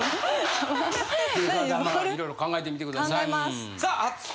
まあいろいろ考えてみてください。